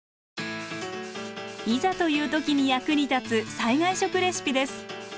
いざという時に役に立つ災害食レシピです。